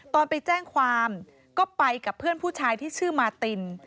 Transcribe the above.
ตอนไปแจ้งความก็ไปกับเพื่อนผู้ชายที่ชื่อมาติน